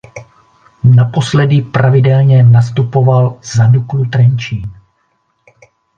Naposledy pravidelně nastupoval za Duklu Trenčín.